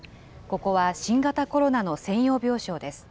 ここは新型コロナの専用病床です。